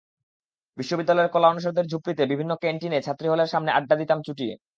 বিশ্ববিদ্যালয়ের কলা অনুষদের ঝুপড়িতে, বিভিন্ন ক্যানটিনে, ছাত্রী হলের সামনে আড্ডা দিতাম চুটিয়ে।